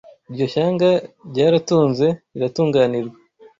Iryo shyanga ryaratunze riratunganirwa